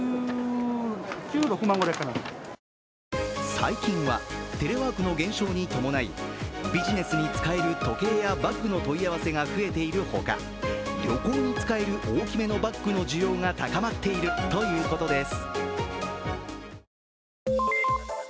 最近はテレワークの減少に伴いビジネスに使える時計やバッグの問い合わせが増えているほか旅行に使える大きめのバッグの需要が高まっているということです。